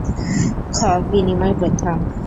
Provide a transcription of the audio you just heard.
খ. বিনিময় প্রথা